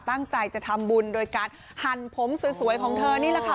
ตั้งใจจะทำบุญโดยการหั่นผมสวยของเธอนี่แหละค่ะ